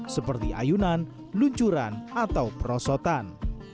seperti ayunan luncuran atau perosotan